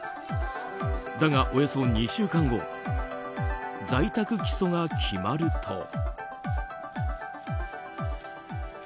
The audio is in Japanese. だが、およそ２週間後在宅起訴が決まると。